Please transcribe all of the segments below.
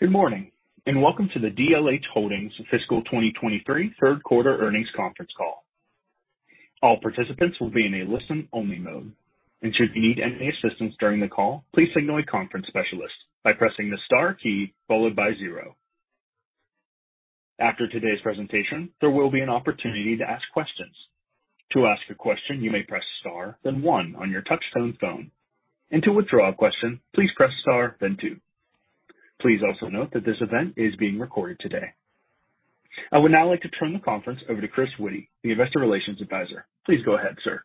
Good morning, and welcome to the DLH Holdings Corp. Fiscal 2023 third quarter earnings conference call. All participants will be in a listen-only mode, and should you need any assistance during the call, please signal a conference specialist by pressing the star key followed by zero. After today's presentation, there will be an opportunity to ask questions. To ask a question, you may press star, then one on your touchtone phone, and to withdraw a question, please press star then two. Please also note that this event is being recorded today. I would now like to turn the conference over to Chris Witty, the investor relations advisor. Please go ahead, sir.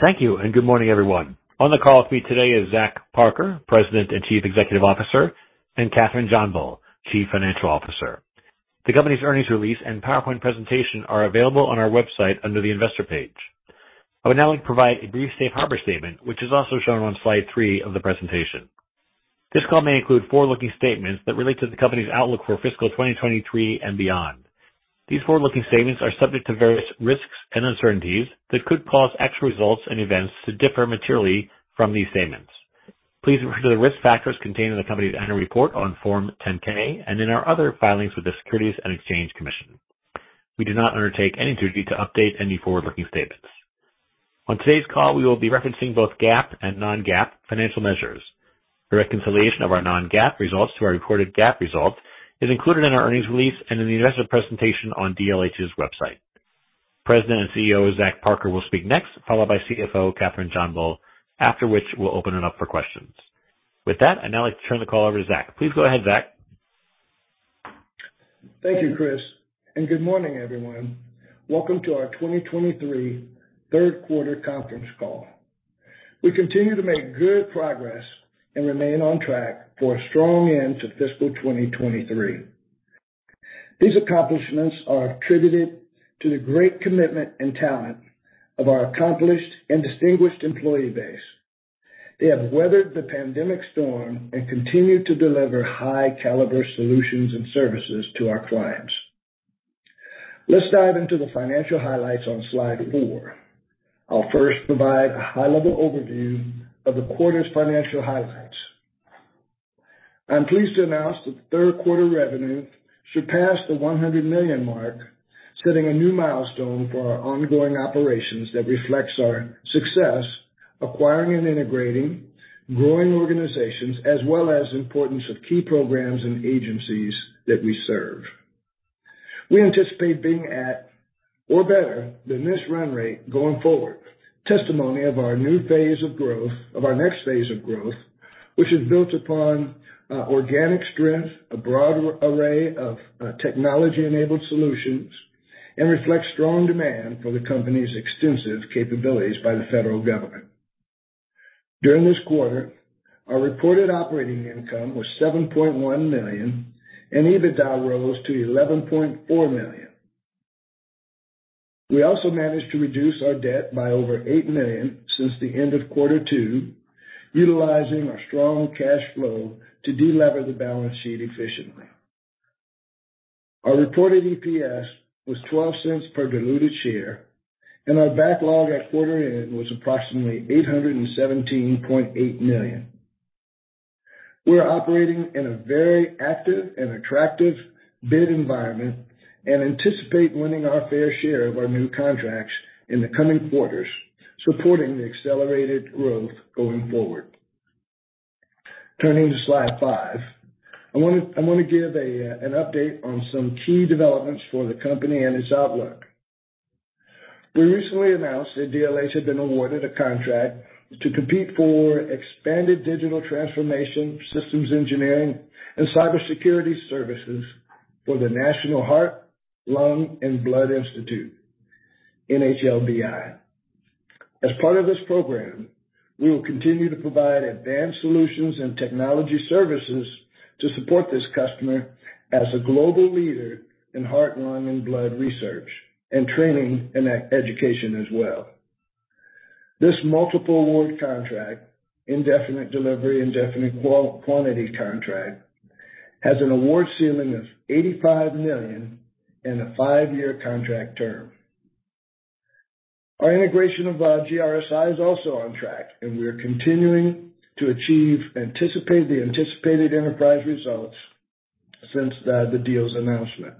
Thank you, and good morning, everyone. On the call with me today is Zach Parker, President and Chief Executive Officer, and Kathryn Johnbull, Chief Financial Officer. The company's earnings release and PowerPoint presentation are available on our website under the investor page. I would now like to provide a brief safe harbor statement, which is also shown on slide three of the presentation. This call may include forward-looking statements that relate to the company's outlook for fiscal 2023 and beyond. These forward-looking statements are subject to various risks and uncertainties that could cause actual results and events to differ materially from these statements. Please refer to the risk factors contained in the company's annual report on Form 10-K and in our other filings with the Securities and Exchange Commission. We do not undertake any duty to update any forward-looking statements. On today's call, we will be referencing both GAAP and non-GAAP financial measures. A reconciliation of our non-GAAP results to our reported GAAP results is included in our earnings release and in the investor presentation on DLH's website. President and CEO, Zach Parker, will speak next, followed by CFO Kathryn Johnbull, after which we'll open it up for questions. With that, I'd now like to turn the call over to Zach. Please go ahead, Zach. Thank you, Chris, and good morning, everyone. Welcome to our 2023 third quarter conference call. We continue to make good progress and remain on track for a strong end to fiscal 2023. These accomplishments are attributed to the great commitment and talent of our accomplished and distinguished employee base. They have weathered the pandemic storm and continued to deliver high-caliber solutions and services to our clients. Let's dive into the financial highlights on slide four. I'll first provide a high-level overview of the quarter's financial highlights. I'm pleased to announce that the third quarter revenue surpassed the $100 million mark, setting a new milestone for our ongoing operations that reflects our success acquiring and integrating growing organizations, as well as importance of key programs and agencies that we serve. We anticipate being at, or better than this run rate going forward. Testimony of our new phase of growth, of our next phase of growth, which is built upon, organic strength, a broad array of, technology-enabled solutions, and reflects strong demand for the company's extensive capabilities by the federal government. During this quarter, our reported operating income was $7.1 million, and EBITDA rose to $11.4 million. We also managed to reduce our debt by over $8 million since the end of quarter two, utilizing our strong cash flow to delever the balance sheet efficiently. Our reported EPS was $0.12 per diluted share, and our backlog at quarter end was approximately $817.8 million. We're operating in a very active and attractive bid environment and anticipate winning our fair share of our new contracts in the coming quarters, supporting the accelerated growth going forward. Turning to slide five, I want to give an update on some key developments for the company and its outlook. We recently announced that DLH had been awarded a contract to compete for expanded digital transformation, systems engineering, and cybersecurity services for the National Heart, Lung, and Blood Institute, NHLBI. As part of this program, we will continue to provide advanced solutions and technology services to support this customer as a global leader in heart, lung, and blood research and training and education as well. This multiple award contract, Indefinite Delivery, Indefinite Quantity contract, has an award ceiling of $85 million and a five-year contract term. Our integration of GRSi is also on track, and we are continuing to achieve the anticipated enterprise results since the deal's announcement.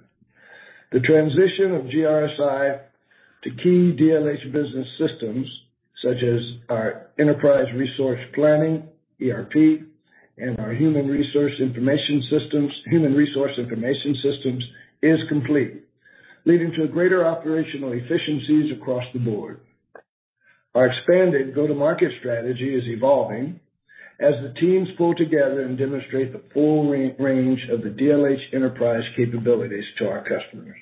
The transition of GRSi to key DLH business systems, such as our enterprise resource planning, ERP, and our human resource information systems, is complete, leading to greater operational efficiencies across the board. Our expanded go-to-market strategy is evolving as the teams pull together and demonstrate the full range of the DLH enterprise capabilities to our customers.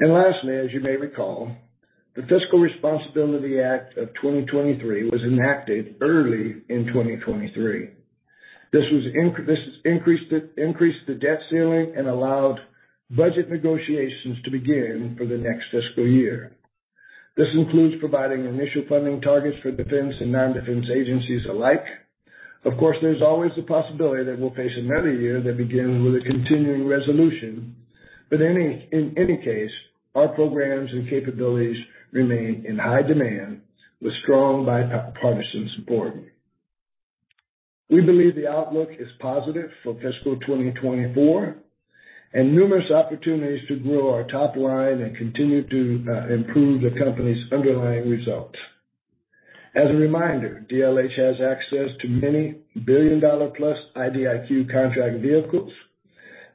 Lastly, as you may recall, the Fiscal Responsibility Act of 2023 was enacted early in 2023. This increased the debt ceiling and allowed budget negotiations to begin for the next fiscal year. This includes providing initial funding targets for defense and non-defense agencies alike. Of course, there's always the possibility that we'll face another year that begins with a continuing resolution. In any case, our programs and capabilities remain in high demand with strong bipartisan support. We believe the outlook is positive for fiscal 2024, and numerous opportunities to grow our top line and continue to improve the company's underlying results. As a reminder, DLH has access to many billion-dollar plus IDIQ contract vehicles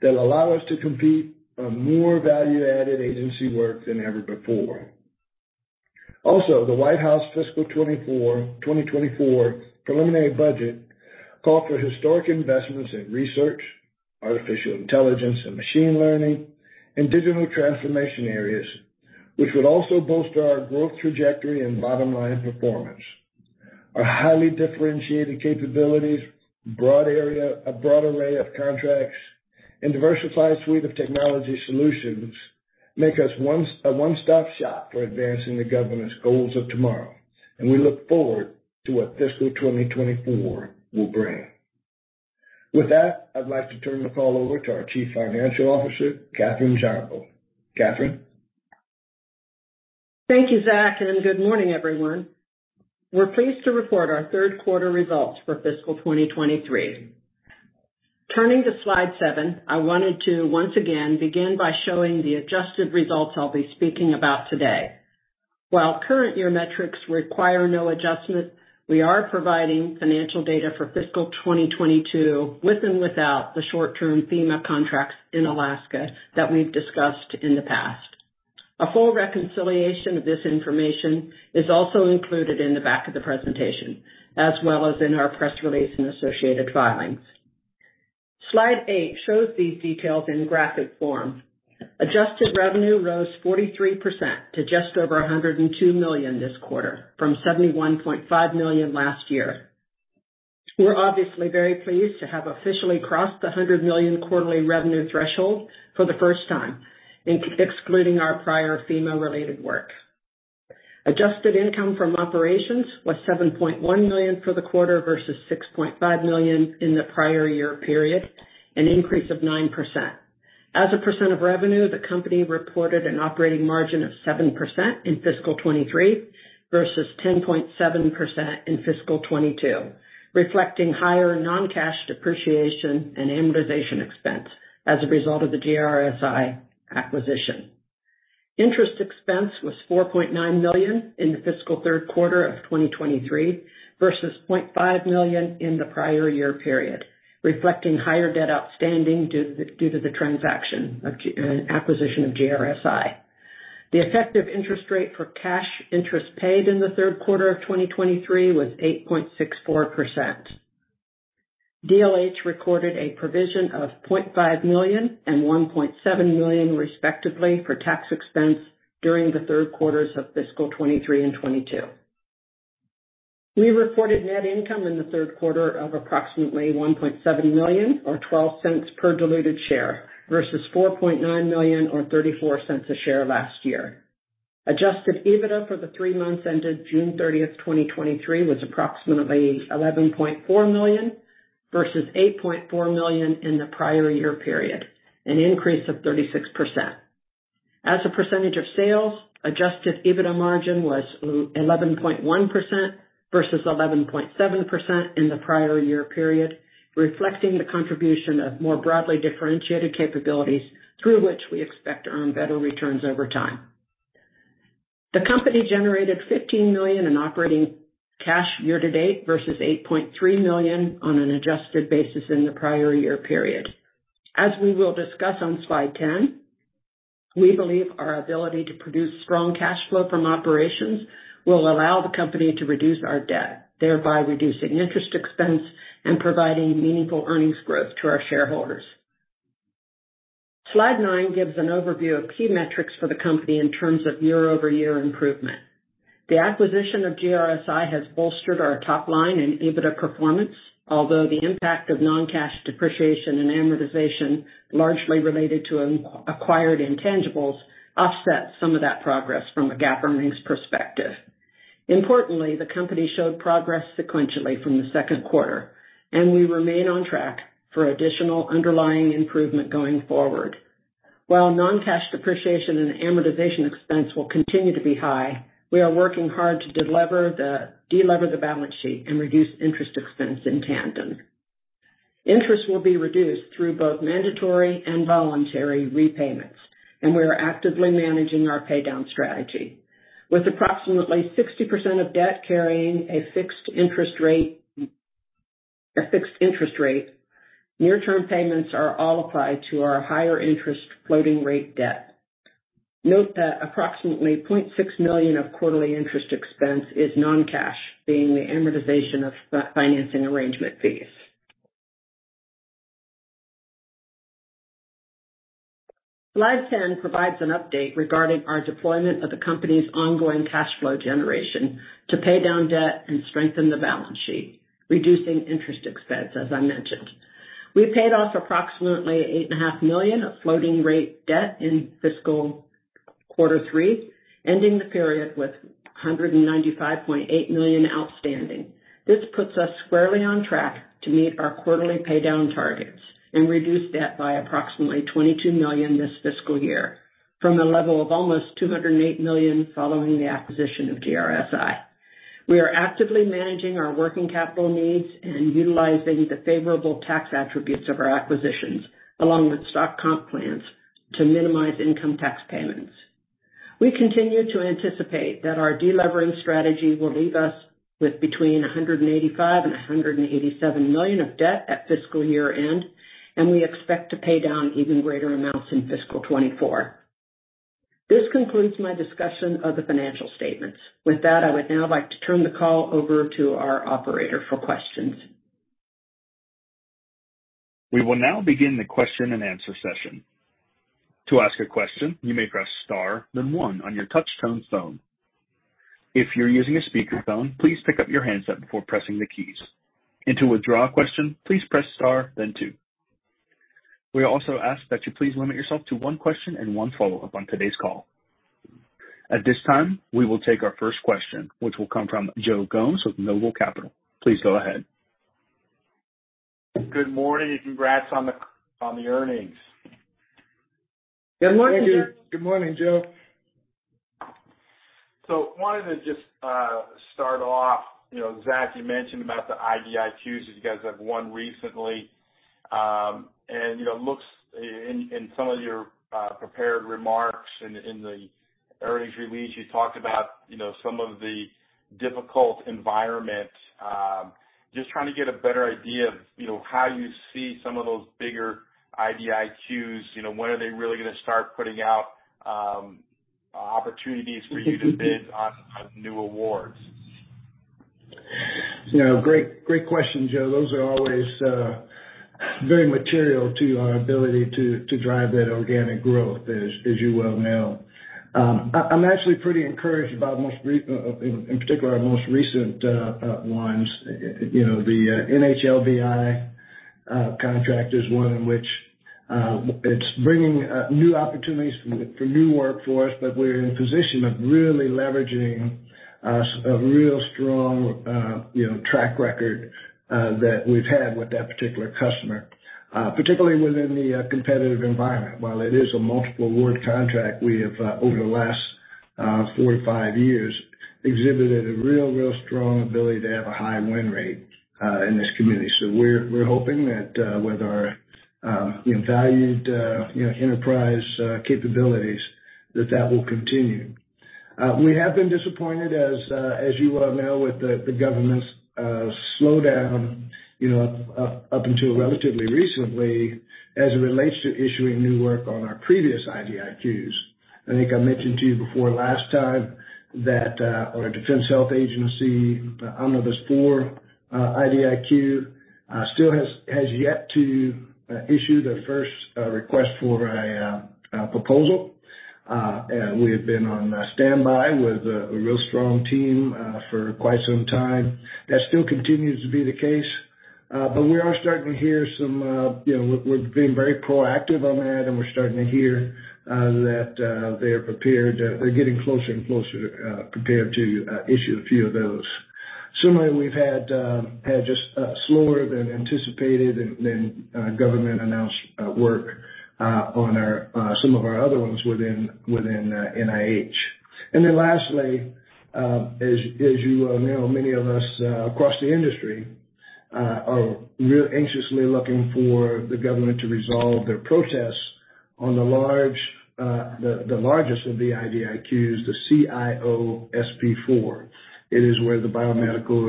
that allow us to compete on more value-added agency work than ever before. Also, the White House Fiscal 2024 preliminary budget called for historic investments in research, artificial intelligence, and machine learning, and digital transformation areas, which would also bolster our growth trajectory and bottom line performance. Our highly differentiated capabilities, broad area- a broad array of contracts, and diversified suite of technology solutions make us once, a one-stop shop for advancing the government's goals of tomorrow, and we look forward to what fiscal 2024 will bring. With that, I'd like to turn the call over to our Chief Financial Officer, Kathryn Johnbull. Kathryn? Thank you, Zach. Good morning, everyone. We're pleased to report our third quarter results for fiscal 2023. Turning to slide seven, I wanted to once again begin by showing the adjusted results I'll be speaking about today. While current year metrics require no adjustment, we are providing financial data for fiscal 2022, with and without the short-term FEMA contracts in Alaska that we've discussed in the past. A full reconciliation of this information is also included in the back of the presentation, as well as in our press release and associated filings. Slide eight shows these details in graphic form. Adjusted revenue rose 43% to just over $102 million this quarter from $71.5 million last year. We're obviously very pleased to have officially crossed the $100 million quarterly revenue threshold for the first time in excluding our prior FEMA-related work. Adjusted income from operations was $7.1 million for the quarter versus $6.5 million in the prior year period, an increase of 9%. As a percent of revenue, the company reported an operating margin of 7% in fiscal 2023 versus 10.7% in fiscal 2022, reflecting higher non-cash depreciation and amortization expense as a result of the GRSi acquisition. Interest expense was $4.9 million in the fiscal third quarter of 2023 versus $0.5 million in the prior year period, reflecting higher debt outstanding due to the transaction of acquisition of GRSi. The effective interest rate for cash interest paid in the third quarter of 2023 was 8.64%. DLH recorded a provision of $0.5 million and $1.7 million, respectively, for tax expense during the third quarters of fiscal 2023 and 2022. We reported net income in the third quarter of approximately $1.7 million, or $0.12 per diluted share, versus $4.9 million, or $0.34 a share last year. Adjusted EBITDA for the three months ended June 30th, 2023, was approximately $11.4 million versus $8.4 million in the prior year period, an increase of 36%. As a percentage of sales, adjusted EBITDA margin was 11.1% versus 11.7% in the prior year period, reflecting the contribution of more broadly differentiated capabilities through which we expect to earn better returns over time. The company generated $15 million in operating cash year to date versus $8.3 million on an adjusted basis in the prior year period. As we will discuss on slide 10, we believe our ability to produce strong cash flow from operations will allow the company to reduce our debt, thereby reducing interest expense and providing meaningful earnings growth to our shareholders. Slide nine gives an overview of key metrics for the company in terms of year-over-year improvement. The acquisition of GRSi has bolstered our top line and EBITDA performance, although the impact of non-cash depreciation and amortization, largely related to acquired intangibles, offset some of that progress from a GAAP earnings perspective. Importantly, the company showed progress sequentially from the second quarter, and we remain on track for additional underlying improvement going forward. While non-cash depreciation and amortization expense will continue to be high, we are working hard to delever the balance sheet and reduce interest expense in tandem. Interest will be reduced through both mandatory and voluntary repayments. We are actively managing our paydown strategy. With approximately 60% of debt carrying a fixed interest rate, near-term payments are all applied to our higher interest floating rate debt. Note that approximately $0.6 million of quarterly interest expense is non-cash, being the amortization of the financing arrangement fees. Slide 10 provides an update regarding our deployment of the company's ongoing cash flow generation to pay down debt and strengthen the balance sheet, reducing interest expense, as I mentioned. We paid off approximately $8.5 million of floating rate debt in fiscal-... quarter three, ending the period with $195.8 million outstanding. This puts us squarely on track to meet our quarterly paydown targets and reduce debt by approximately $22 million this fiscal year, from a level of almost $208 million following the acquisition of GRSi. We are actively managing our working capital needs and utilizing the favorable tax attributes of our acquisitions, along with stock comp plans, to minimize income tax payments. We continue to anticipate that our de-levering strategy will leave us with between $185 million and $187 million of debt at fiscal year-end, and we expect to pay down even greater amounts in fiscal 2024. This concludes my discussion of the financial statements. With that, I would now like to turn the call over to our operator for questions. We will now begin the question-and-answer session. To ask a question, you may press star, then one on your touchtone phone. If you're using a speakerphone, please pick up your handset before pressing the keys. To withdraw a question, please press star then two. We also ask that you please limit yourself to one question and one follow-up on today's call. At this time, we will take our first question, which will come from Joe Gomes with Noble Capital. Please go ahead. Good morning, and congrats on the, on the earnings. Good morning, Joe. Thank you. Good morning, Joe. Wanted to just, start off, you know, Zach, you mentioned about the IDIQs, that you guys have won recently. You know, looks in, in some of your, prepared remarks in, in the earnings release, you talked about, you know, some of the difficult environment. Just trying to get a better idea of, you know, how you see some of those bigger IDIQs. You know, when are they really going to start putting out, opportunities for you to bid on, on new awards? You know, great, great question, Joe. Those are always, very material to our ability to, to drive that organic growth, as, as you well know. I, I'm actually pretty encouraged by our most in, in particular, our most recent, ones. You know, the, NHLBI, contract is one in which, it's bringing, new opportunities for new work for us, but we're in a position of really leveraging, a real strong, you know, track record, that we've had with that particular customer. Particularly within the, competitive environment. While it is a multiple award contract, we have, over the last, four to five years, exhibited a real, real strong ability to have a high win rate, in this community. We're, we're hoping that, with our, valued, you know, enterprise, capabilities, that that will continue. We have been disappointed, as, as you well know, with the, the government's, slowdown, you know, up, up, up until relatively recently, as it relates to issuing new work on our previous IDIQs. I think I mentioned to you before, last time, that, on our Defense Health Agency, Omnibus IV, IDIQ, still has, has yet to, issue the first, request for a, proposal. We have been on, standby with a, real strong team, for quite some time. That still continues to be the case, but we are starting to hear some... You know, we're, we're being very proactive on that, and we're starting to hear that they are prepared, they're getting closer and closer, prepared to issue a few of those. Similarly, we've had just slower than anticipated and than government-announced work on our some of our other ones within, within NIH. Then lastly, as you well know, many of us across the industry are real anxiously looking for the government to resolve their protests on the large, the largest of the IDIQs, the CIO-SP4. It is where the biomedical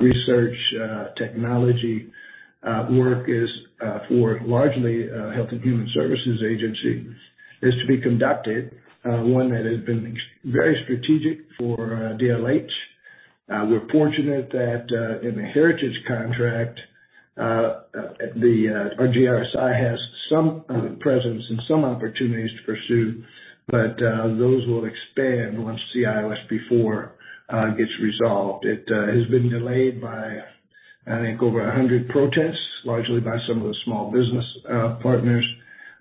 research technology work is for largely Health and Human Services Agency, is to be conducted, one that has been very strategic for DLH. We're fortunate that in the Heritage contract, the our GRSi has some presence and some opportunities to pursue, but those will expand once CIO-SP4 gets resolved. It has been delayed by, I think, over 100 protests, largely by some of the small business partners.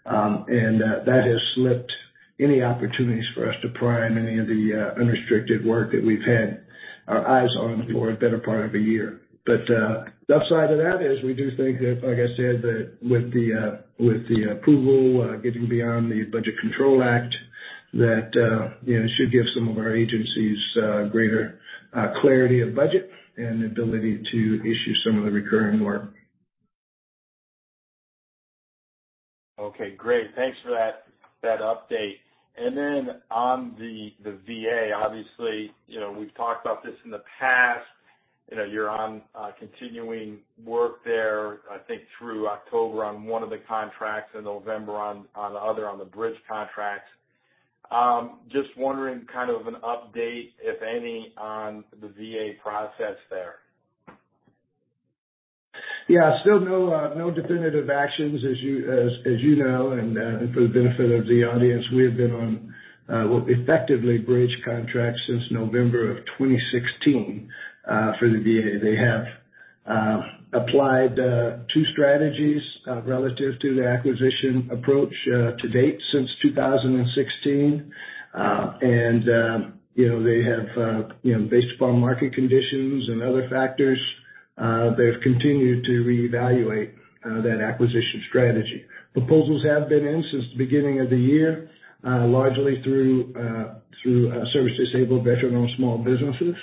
That has slipped any opportunities for us to prime any of the unrestricted work that we've had our eyes on for a better part of a year. The upside of that is, we do think that, like I said, that with the approval, getting beyond the Budget Control Act, that, you know, should give some of our agencies greater clarity of budget and ability to issue some of the recurring work. Okay, great. Thanks for that, that update. On the, the VA, obviously, you know, we've talked about this in the past. You know, you're on, continuing work there, I think through October on one of the contracts and November on, on the other, on the bridge contracts. Just wondering kind of an update, if any, on the VA process there? Yeah. Still no, no definitive actions, as you, as, as you know, and for the benefit of the audience, we have been on what effectively bridge contracts since November of 2016 for the VA. They have- applied two strategies relative to the acquisition approach to date since 2016. You know, they have, you know, based upon market conditions and other factors, they've continued to reevaluate that acquisition strategy. Proposals have been in since the beginning of the year, largely through, through service-disabled veteran-owned small businesses.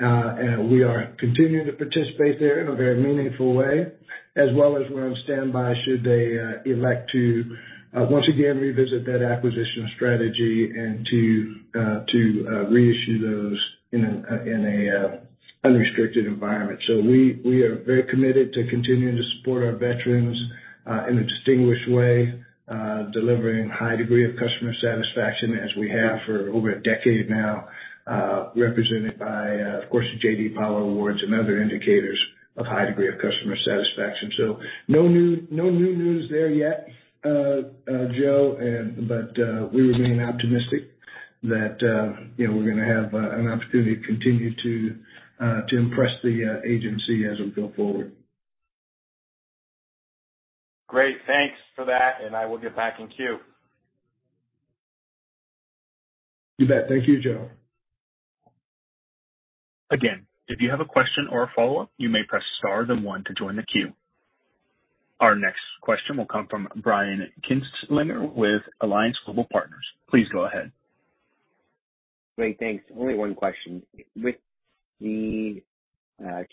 We are continuing to participate there in a very meaningful way, as well as we're on standby should they elect to once again revisit that acquisition strategy and to to reissue those in an unrestricted environment. We, we are very committed to continuing to support our veterans in a distinguished way, delivering high degree of customer satisfaction, as we have for over a decade now, represented by of course, the J.D. Power Awards and other indicators of high degree of customer satisfaction. No new, no new news there yet, Joe, and but we remain optimistic that you know, we're gonna have an opportunity to continue to impress the agency as we go forward. Great. Thanks for that. I will get back in queue. You bet. Thank you, Joe. Again, if you have a question or a follow-up, you may press star then one to join the queue. Our next question will come from Brian Kinstlinger with Alliance Global Partners. Please go ahead. Great, thanks. Only one question. With the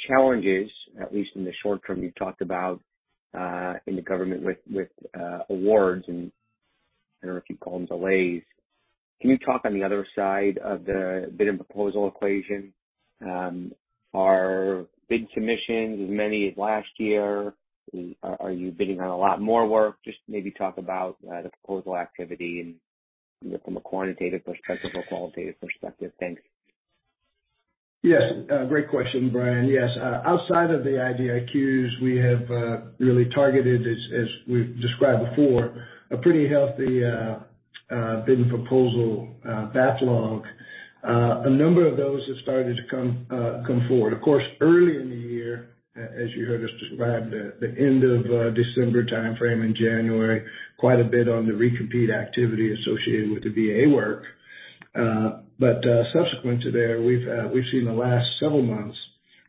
challenges, at least in the short term, you've talked about in the government with, with awards, and I don't know if you'd call them delays. Can you talk on the other side of the bid and proposal equation? Are bid submissions as many as last year? Are you bidding on a lot more work? Just maybe talk about the proposal activity and from a quantitative perspective or qualitative perspective. Thanks. Yes. great question, Brian. Yes, outside of the IDIQs, we have, really targeted, as, as we've described before, a pretty healthy, bidding proposal, backlog. A number of those have started to come, come forward. Of course, early in the year, as, as you heard us describe, the end of December timeframe in January, quite a bit on the recompete activity associated with the VA work. Subsequent to there, we've, we've seen the last several months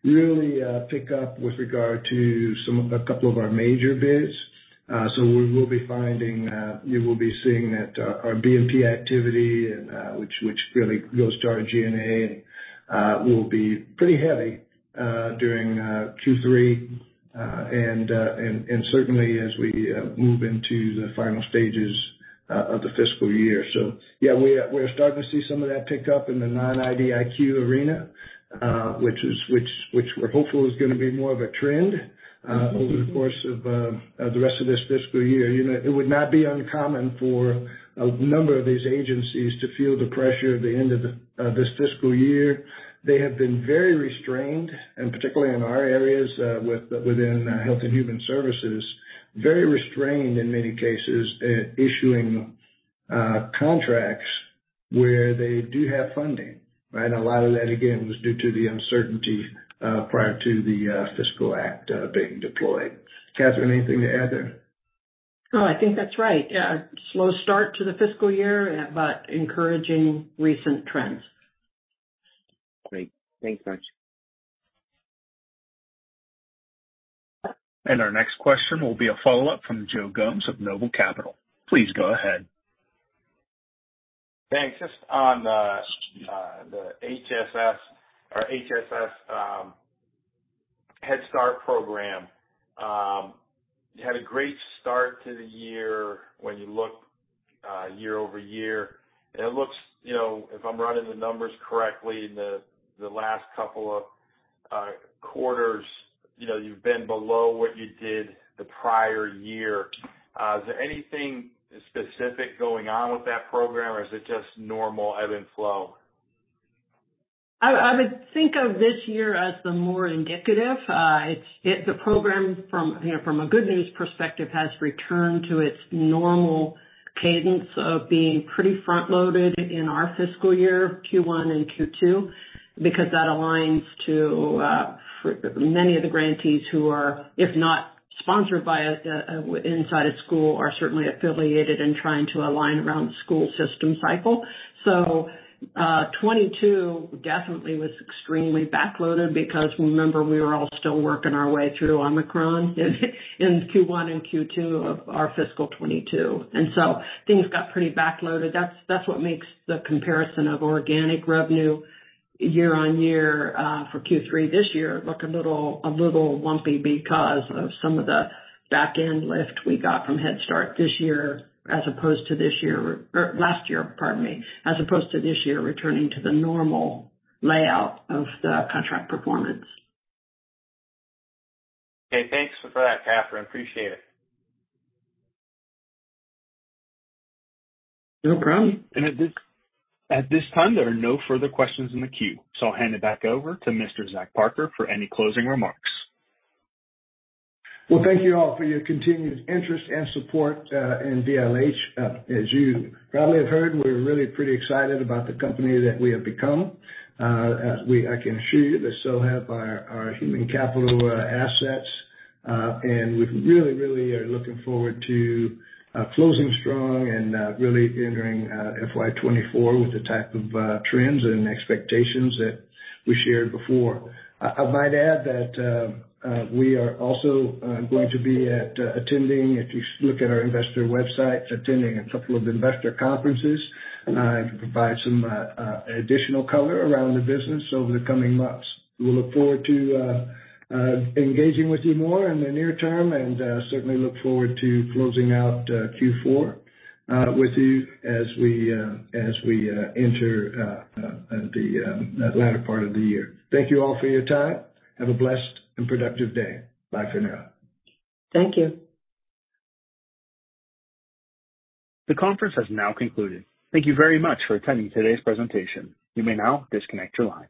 really, pick up with regard to some of... a couple of our major bids. Uh, so we will be finding, uh, you will be seeing that, uh, our B&P activity and, uh, which, which really goes to our G&A and, uh, will be pretty heavy, uh, during, uh, Q3, uh, and, uh, and, and certainly as we, uh, move into the final stages, uh, of the fiscal year. So, yeah, we are, we're starting to see some of that pick up in the non-IDIQ arena, uh, which is, which, which we're hopeful is gonna be more of a trend, uh, over the course of, uh, the rest of this fiscal year. You know, it would not be uncommon for a number of these agencies to feel the pressure at the end of the, uh, this fiscal year. They have been very restrained, and particularly in our areas, within, Health and Human Services, very restrained in many cases at issuing, contracts where they do have funding, right? A lot of that, again, was due to the uncertainty, prior to the, Fiscal Act, being deployed. Kathryn, anything to add there? No, I think that's right. Yeah, a slow start to the fiscal year, but encouraging recent trends. Great. Thanks much. Our next question will be a follow-up from Joe Gomes of Noble Capital Markets. Please go ahead. Thanks. Just on the HHS or HHS, Head Start program. You had a great start to the year when you look, year-over-year, and it looks, you know, if I'm running the numbers correctly, in the last couple of quarters, you know, you've been below what you did the prior year. Is there anything specific going on with that program, or is it just normal ebb and flow? I, I would think of this year as the more indicative. It's, it's a program from, you know, from a good news perspective, has returned to its normal cadence of being pretty front-loaded in our fiscal year, Q1 and Q2, because that aligns to, for many of the grantees who are, if not sponsored by us, inside a school, are certainly affiliated and trying to align around the school system cycle. 2022 definitely was extremely backloaded because remember, we were all still working our way through Omicron in Q1 and Q2 of our fiscal 2022. Things got pretty backloaded. That's, that's what makes the comparison of organic revenue year-on-year, for Q3 this year, look a little, a little lumpy because of some of the back end lift we got from Head Start this year as opposed to this year, or last year, pardon me, as opposed to this year, returning to the normal layout of the contract performance. Okay, thanks for that, Kathryn. Appreciate it. No problem. At this, at this time, there are no further questions in the queue, so I'll hand it back over to Mr. Zach Parker for any closing remarks. Well, thank you all for your continued interest and support in DLH. As you probably have heard, we're really pretty excited about the company that we have become. I can assure you that so have our, our human capital assets, and we really, really are looking forward to closing strong and really entering FY 2024 with the type of trends and expectations that we shared before. I might add that we are also going to be attending, if you look at our investor websites, attending a couple of investor conferences to provide some additional color around the business over the coming months. We look forward to engaging with you more in the near term and certainly look forward to closing out Q4 with you as we as we enter the latter part of the year. Thank you all for your time. Have a blessed and productive day. Bye for now. Thank you. The conference has now concluded. Thank you very much for attending today's presentation. You may now disconnect your line.